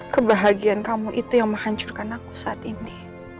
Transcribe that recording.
kebahagiaan kamu itu yang menghancurkan aku saat ini